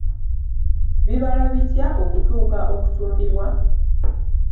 Bibala bitya okutuuka okutundibwa?